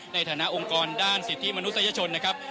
ในฐานะองค์กรด้านสิทธิมนุษยชนนะครับ